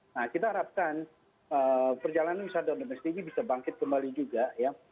nah kita harapkan perjalanan wisata domestik ini bisa bangkit kembali juga ya